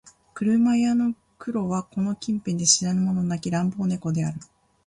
車屋の黒はこの近辺で知らぬ者なき乱暴猫である